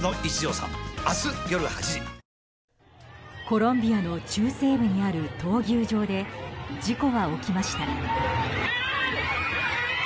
コロンビアの中西部にある闘牛場で事故は起きました。